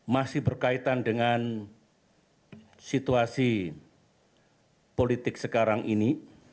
masih berkaitan dengan situasi politik sekarang ini